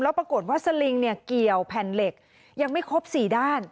ปรากฏว่าสลิงเนี่ยเกี่ยวแผ่นเหล็กยังไม่ครบ๔ด้าน